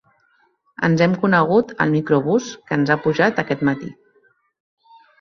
Ens hem conegut al microbús que ens ha pujat aquest matí.